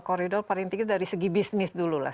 koridor paling tinggi dari segi bisnis dulu lah